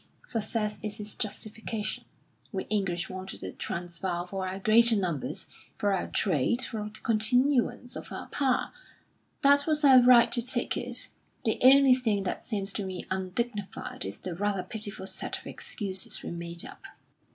Success is its justification. We English wanted the Transvaal for our greater numbers, for our trade, for the continuance of our power; that was our right to take it. The only thing that seems to me undignified is the rather pitiful set of excuses we made up."